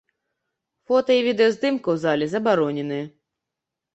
Фота і відэаздымка у залі забароненая.